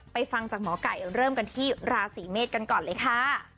ฟังจากหมอไก่เริ่มกันที่ราศีเมษกันก่อนเลยค่ะ